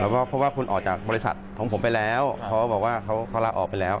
เพราะว่าคุณออกจากบริษัทของผมไปแล้วเขาก็บอกว่าเขาลาออกไปแล้ว